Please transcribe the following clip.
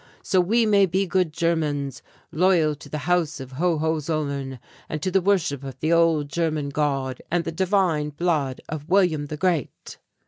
So we may be good Germans, loyal to the House of Hohenzollern and to the worship of the old German God and the divine blood of William the Great."